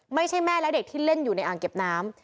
ไม่ใช่แม่และเด็กที่เล่นอยู่ในอ่างเก็บน้ำ